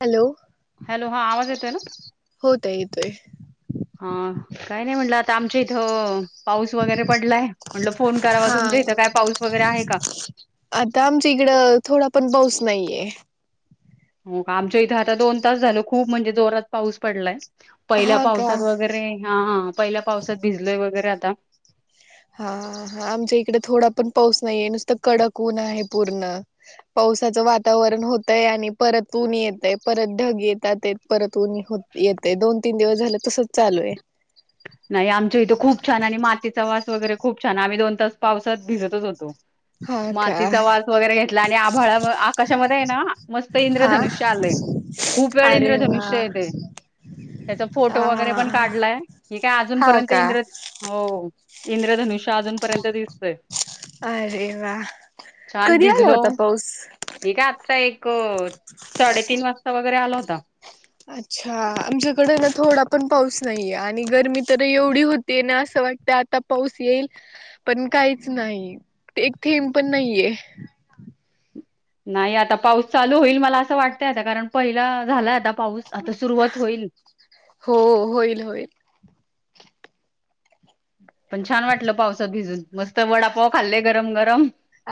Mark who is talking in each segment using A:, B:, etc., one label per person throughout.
A: Hello
B: hello हा आवाज येतोय ना
A: हो ताई येतोय
B: हा काही नाही म्हटलं आता आमच्या इथं पाऊस वगैरे पडलाय म्हटलं फोन करावा
A: हा
B: तुमच्या इथं काय पाऊस वगैरे आहे का
A: नाहीे
B: हो आमच्या इथे आता दोन तास झालो खूप म्हणजे जोरात पाऊस पडलाय पहिल्या
A: हा का
B: पावसात वगैरे हा पहिल्या पावसात भिजलय वगैरे आ कत्ता
A: हा हा आमच्या इकडे थोडा पण पाऊस नाहीे नुसतं कडक उऊन आहे पूर्ण पावसाचं वातावरण होतय आणि परत ऊन येतय परत ढग येतातात परत ऊनी येते दोन तीन दिवस झाले तसच चालू आहे
B: नाही आमच्या इथं खूप छान आणि मातीचा वास वगैरे खूप छान आम्ही दोन तास पावसात भिजतच होतो
A: हा का
B: मातीचा वास वगैरे घेतला आणि आभाळा आकाशामध्ये आहे ना मस्त
A: हा
B: इंद्रधनुष्य आलेय खूप वेळ
A: अरे वा
B: इंद्रधनुष्य य तेे त्याचा फोटो वगैरे पण
A: हा
B: काढलाय ह काय
A: हा
B: अजूनपर्यंत
A: का
B: इंद्र हो इंद्रधनुष्य अजूनपर्यंत दिस
A: अरे वा
B: छान
A: कधी आला
B: भिजलो
A: होता पाऊस
B: हे काय आत्ता एक साडेतीीन वाजता वगैरे आल होत कत्ता
A: अच्छा आमच्याकडे ना थोडा पण पाऊस नाहीये आणि गरमी तर एवढी होती आणि असं वाटत आता पाऊस येईल पण काहीच नाही एक थेंब पण नाहीये
B: नाही आता पाऊस चालू होईल मला असं वाटतय आता कारण पहिला झाला आता पाऊस आता सुरुवात होईल
A: हो होईल होईल
B: पण छान वाटलं पावस भिजून मस्त वडापाव खाल्ले गरम गरम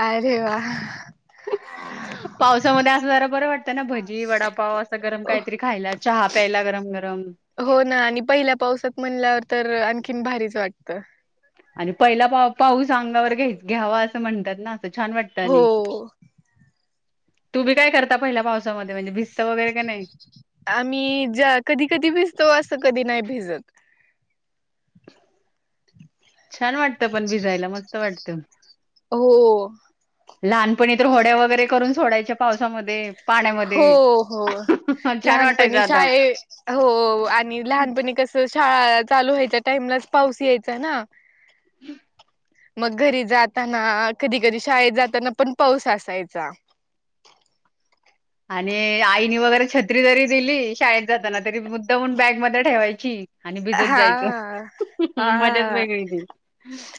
A: अरे वा
B: पावसामध्ये असं जरा बरं वाटतं ना भजी वडापाव असं गरम काहीतरी खायला चहा प्यायला गरम गरम
A: हो ना आणि पहिल्या पावसात म्हणल्यावर तर आणखीन भारीच वाटतं.
B: आणि पहिला पा, पाऊस अंगावर घ घ्यावा असं म्हणतात ना. छान वाटत
A: हो
B: आणि. तूमी काय करता पहिल्या पावस
A: आम्ही ज्या कधी कधी भिजतो, असं कधी नाही भिजत.
B: छान! वाटतं, पण भिजायला मस्त वाटतं. तम
A: हो.
B: लहानपणी तर होड्या वगैरे, करून सोडायच्या पावसा मध्ये
A: हो हो
B: छान वाटायचं
A: लहानपणी
B: आता.
A: शाळे हो आणि लहानपणी कसं? शाळा चालू व्हायच्या टाईमलाचं पाऊस यायचा ना. मग घरी जाताना कधी कधी शाळेत जाताना पण पाऊस असायचा.
B: आणि आईनी वगैरे छत्री जरी दिली शाळेत जाताना, तरी मुद्दा हून बॅगमध्येध्ये ठेवायची. आणि भिजत जायचं.
A: हा
B: मजाच
A: हा,
B: वेगळी ती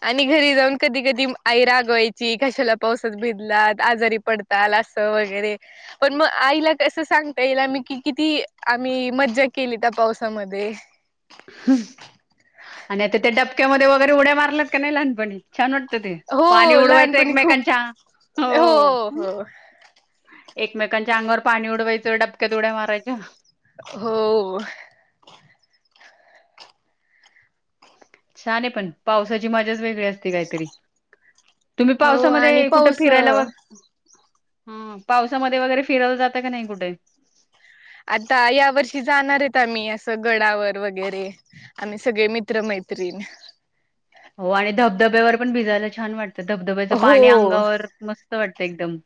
A: आणि घरी जाऊन कधी कधी आई राग वायची कशाला पावसात भिजलात आजारी पड़ताल, असं वगैरे पण मग आईला कसं सांगता येईल मी किती? आम्ही मज्जा केली त्या पावसामध्ये.
B: ह आणि आता त्या डबक्यामध्ये वगैरे उड्या मारल्यात, का नाही लहानपणी छान! वा ते पाणी
A: हो
B: उडवायचं
A: लहानपणी खूप
B: एकमेकांच्या अंग
A: हो
B: एकमेकांच्या अंगावर पाणी उडवायचं, डबक्यात उड्या मारायच्या.
A: हो.
B: छान! आहे पण पावसाची मज्जाच वेग ळी असते काहीतरी, तुम्ही
A: हो आणि
B: पावसामध्ये कुठ
A: पाऊस
B: फिरायला? हा पावसामध्ये वगैरे फिरायला जाता का नाही कुठे?
A: आता या वर्षी जाणार आहेत आम्ही गडावर वगैरे, आम्ही सगळे मित्रमैत्रिण.
B: हो, आणि धबधब्यावर पण भिजायला छान! वाटतं. तर धबधब्याचं
A: हो
B: पाणी अंगावर मस्त मस्त वाटतं एकदम.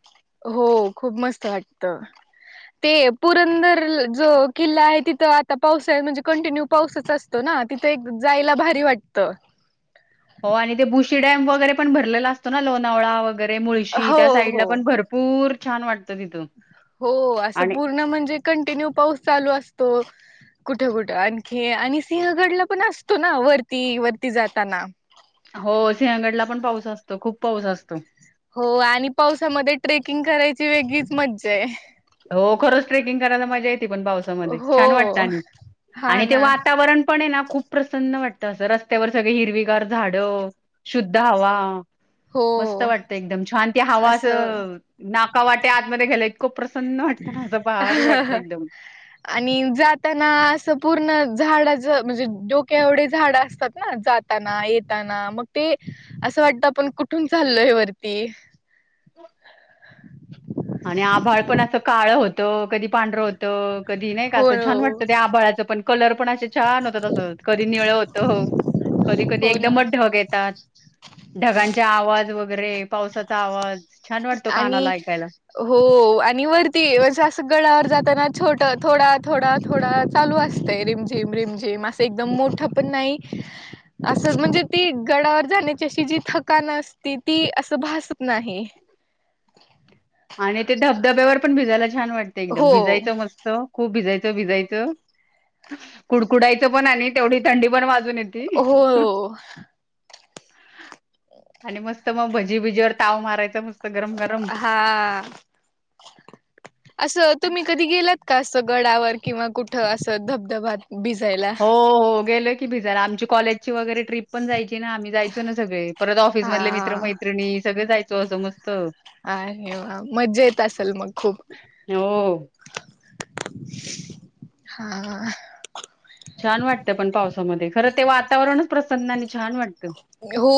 A: हो खूप मस्त वाटत ते पुरंदर जो किल्ला आहे, तिथं आता पाऊस हाय म्हणजे, कंटिन्यू पाऊसचं असतो ना तिथं एक जायला भारी वाटतं.
B: हो, आणि ते बुशी डॅम वगैरे पण भरलेला असतो ना लोणावळा वगैरे मुळशी
A: हो
B: त्या साईडला
A: हो
B: पण भरपूर छान! वाटत.
A: हो, असं पूर्ण म्हणजे कंटिन्यूव पाऊस चालू अस तो कुठे कुठं आणखी आणि सिंहगडला पण असतो ना, वरती वरती जाताना.
B: हो, सिंहगडला पण पाऊस असतो, खूप पाऊस असतो.
A: हो आणि पावसामध्ये. ट्रेकिंग करायची वेगळीच मज्जा आहे.
B: हो खरोच ट्रेकिंग करायला मजा येते पण पावसामध्ये छान वाटत
A: हो
B: आणि
A: हा
B: आणि ते
A: ना
B: वातावरण पण आहे ना खूप. खूप प्रसन्न वाटत असं रस्त्यावर सगळे हिरविगार झाडं शुद्ध हवा.
A: हो
B: मस्त वाटत एकदम छान ती हवा असं नाका वाट्या आतमध्ये गेल्या. एकदम
A: आणि जाताना असं पूर्ण. झाड च. म्हणजे डोक एवढे झाड असत. असतातना जाताना येताना मग ते असं वाटत आपण कुठून चाललो आहे वरती.
B: आणि आभाळ पण असं काळ होत. तो कधी पांढर होत. कधी नाही का
A: हो
B: असं छान वाटतं ते आबाळाचं पण कलर. पण असे छान होत तस कधी निळ होत हो. कधी कधी
A: हो ना
B: एकदमच ढग येतात. ढगांच्या आवाज वगैरे, पावसाचा आवाज. छान वाटतो कानाला
A: आणि
B: ऐकायला.
A: हो आणि वरती म्हणज असं गडावर जाताना छोट थोडा थोडा थोडा चालू असतय. रिमझिम रिमझिम असं एकदम मोठं पण नाही, असं म्हणजे ती गडावर जाण्याची अशी जी थकान असती ती असं भासत नाही. [inaudible]
B: आणि ते धबधब्यावर पण भिजायला छान वाटतं एकदम.
A: हो
B: भिजयचं मस्त खूप भिजयच भिजायच, कुडकुडायचं पण आणि तेवढी थंडी पण वा
A: हो.
B: आणि मस्त मग भजीबिजीवर ताव मारायच मस्त गरम गरम
A: हा. असं तुम्ही कधी गेलात का? असं गडावर किंवा कुठं असं धबधब्या भिजयला?
B: हो हो गेलो की भिजायला. आमची कॉलेजची वगैरे ट्रिप पण जायची. ना आम्ही जायचो ना सगळे. परत ऑफिस मधले मित्र
A: हा
B: मैत्रिणी सगळे जायच तो असा मस्त.
A: अ वा मज्जा येत असेल मग खूप!
B: हो
A: हा.
B: छान वाटत पण पावसामध्ये. खरं ते वातावरणच प्रसन्न आणि छान वाटत.
A: हो.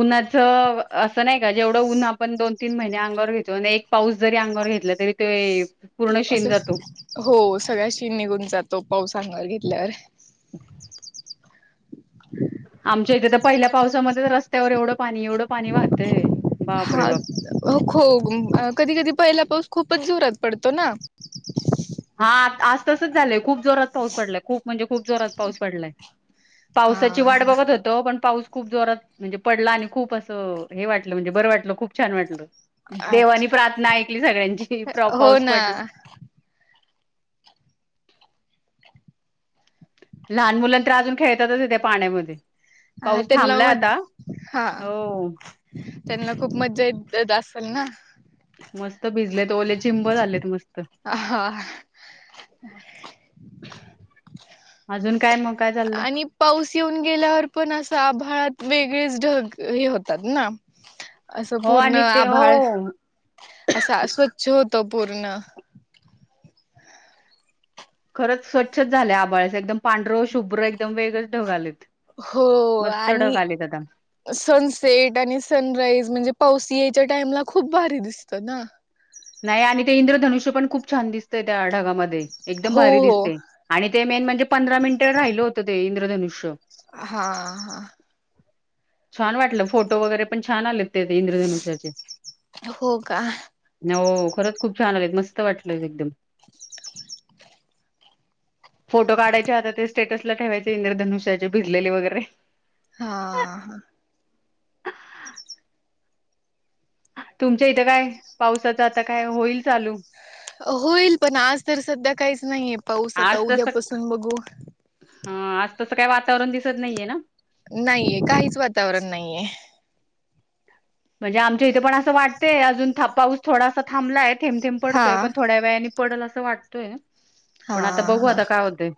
B: उन्हाच असं नाही का, जेवढं उन्हा आपण दोन तीन महिने अंगवर घेतो. अन एक पाऊस जरी अंगावर घेतला तरी ते पूर्ण शिन
A: असं.
B: जातो
A: हो, सगळा शीण निघून जातो पाऊस अंगावर घे तल्यावर.
B: [inaudible]
A: [inaudible]
B: आमच्या इथे तर पहिल्या पावसामध्ये रस्त्यावर एवढं पाणी एवढं पाणी वाहतय बापरे
A: हा
B: बाप
A: खो कधी कधी पहिला पाउस खूपच जोरात पडतो ना.
B: हा आज तसंच झालंय खूप जोरात पाऊस पडलाय. खूप म्हणजे खूप जोरात पाऊस पडलाय. पावसाची वाट
A: हा
B: बघत होत. पण पाऊस खूप जोरात म्हणजे पडला आणि खूप असं हे वाटलं. म्हणजे बरं वाटलं खूप छान वाटलं. देवानी
A: अच्छा
B: प्रार्थना ऐकली सगळ्यांची प्रो
A: हो
B: पाऊस
A: ना
B: पडला. लहान मुला तर अजून खेळतातच ते पाण्यामध्ये
A: हा
B: पाऊस
A: त्यांना म
B: थांबलाय आता
A: हा
B: हो
A: त्यांना खूप मज्जा येत जास्त पना
B: मस्त भिजलेत ओले चिंब झालेत मस्त
A: हा
B: अजून काय मग काय चाललंय
A: आणि पाऊस येऊन गेल्यावर पण असं आभाळात वेगळेच ढग हे होतात ना असं
B: हो
A: पूर्ण
B: आणि ते
A: आभाळ
B: हो
A: असा स्वच्छ होत महत्त्वपूर्ण
B: खरंच स्वच्छच झाल्या आभाळ एकदम पांढरं शुभ्र एकदम वेगंच ढग आलेत
A: हो
B: मस्त ढग
A: आणि
B: आलेत आता
A: सनसेट आणि सनराईज म्हणजे पावस टाइमला खूप भारी दिसत ना.
B: नाही आणि ते इंद्रधनुष्य पण खूप छान दिसतंय त्या ढागामध्ये एकदम
A: हो
B: भारी
A: हो
B: दिसते आणि मेन म्हणजे पंधरा मिनिट राहिल होत ते धनुष्य
A: हा हा
B: छान वाटलं फोटो वगैरे पण छान आले इंद्रधनुष्याचे
A: हो का
B: हो खरच खूप छान आले मस्त वाटलं एकदम फोटो काढायचे आता ते स्टेटस ला ठेवायचे इंद्रधनुष्याचे भिजले वगैरे
A: हा हा
B: तुमच्या इथं काय पावसाचं आता काय होईल चालू
A: होईल पण आज तर सध्या काहीच नाहीये पाऊस आता उद्यापासून बघू
B: हा आज तसं काही वातावरण दिसत नाहीये ना
A: नाहीे काहीच वातावरण नाहीये
B: म्हणजे आमच्या इथे पण असं वाटतेय अजून पाऊस थोडासा थांबलाय थेब थेब
A: हा
B: पडतोय पण थोड्या वेळाने पडेल असं वाटतोय
A: हा
B: पण आता बघू
A: हा
B: आता काय होते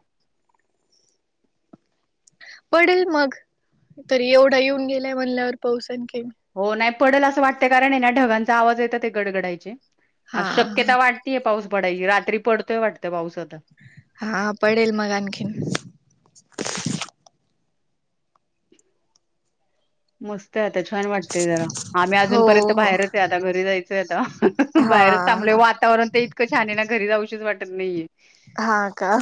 A: पडेल मग तरी एवढा येऊन गेल्या म्हणल्यावर पाऊस आणखी
B: हो नाही पडल असं वाटत कारण आहे ना ढगांचा आवाज येत ते गडगडायचीचे
A: हा
B: अ
A: हा
B: शक्यता वाढतीय पाऊस [unintelligible]
A: हा पडेल मग आणखीन.
B: मस्त हाय आता छान वाटत ते जरा आम्ही
A: हो
B: अजूनपर्यंत
A: हो
B: बाहेरच आहे आता घरी जायचय आता
A: हा
B: बाहेरच थांबलोय
A: हा
B: वातावरण तर इतकं छान आहे ना घरी जाऊशीच [unintelligible]
A: हा का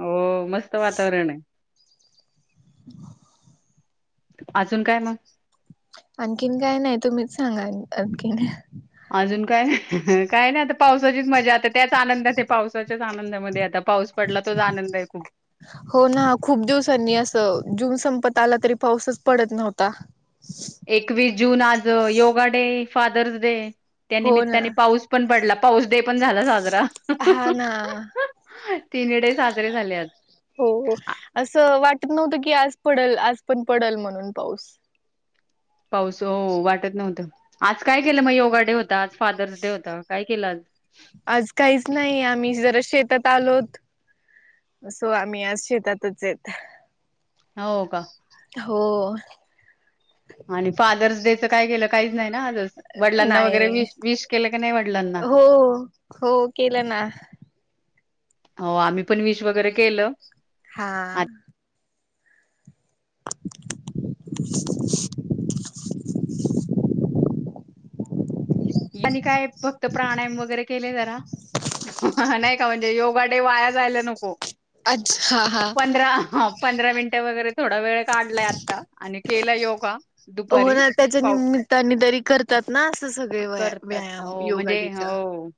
B: हो मस्त वातावरण आहे.
A: [inaudible]
B: अजून काय मग.
A: आणखीन काय नाही तुम्हीच सांगा आणखीन.
B: अजून काय काय नाही आता पावसाचीच मजा आता त्याच आनंदात पावसाच्याच आनंदामध्ये आता पाऊस पडला तोच आनंद आहे खूप
A: हो ना खूप दिवसांनी अस संपत आला तरी पाऊसच पडत नव्हता.
B: एकवीस जून आज योगा डे, फादर्स डे
A: हो ना
B: त्यानिमित्ताने पाऊस पण पडला. पाऊस डे पण झाला साजरा.
A: हा ना
B: तिन्ही डे साजरे झाले आज.
A: हो हो
B: आ-
A: असं वाटत नव्हतं की आज पडल आज पण पडल म्हणून पाऊस
B: पाऊस हो वाटत नव्हतं आज काय केलं मग योगा डे होता आज फादर्स डे होता काय केलं आज
A: आज काहीच नाही आम्ही जरा शेतात आलोत सो आम्ही आज शेतातच आहे
B: हो का
A: हो
B: आणि फादर्स डे काय केलं काहीच नाही ना आजच वडिलांना वगैरे
A: नाही
B: विश विश केलं की नाही वडिलांना
A: हो हो केलं ना.
B: हो आम्ही पण विश वगैरे केलं.
A: हा
B: आणि
A: [inaudible]
B: आणि काय फक्त प्राणायाम वगैरे केले जरा नाही का म्हणजे योगाडे वाया जायला नको.
A: अच्छा हा हा
B: पंधरा पंधरा मिनट वगैरे थोडा वेळ काढलाय आता आणि केला योगा.
A: हो
B: दुपारी
A: त्याच्या
B: पाऊ
A: निमित्ताने तरी करतात ना असं वेव
B: करतात
A: व्यायाम
B: हो म्हणजे
A: योगाडे चा.
B: हो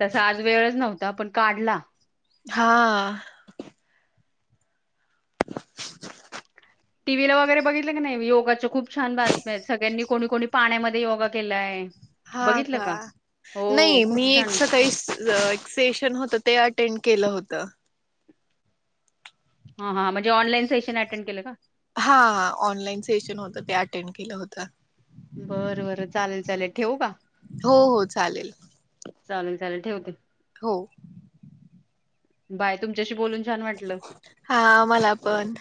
B: तसा आज वेळच नव्हता पण काढला.
A: हा [inaudible]
B: टीव्हीला वगैरे बघितलं की नाही योगाच्या खूप छान बातम्या आहेत सगळ्यांनी कोणी कोणी पाण्यामध्ये योगा केलाय
A: हा का
B: हो
A: नाही
B: खूप
A: मी एक
B: छान
A: काही एक्सेशन होत ते अेड केलं होत
B: हा हां म्हणजे ऑनलाईन सेशन अटेंड केलं का
A: हा हा ऑनलाईन सेशन होत ते अटेंड केलं होत
B: बरं बरं चालेल चालेल ठेवू का
A: हो हो चालेल
B: चालेल चालेल ठेवते.
A: हो
B: बाय तुमच्याशी बोलून छान वाटलं.
A: हा आम्हाला पण